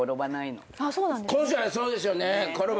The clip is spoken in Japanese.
この人はそうですよね！